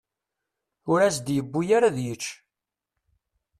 Ur as-d-yewwi ara ad yečč.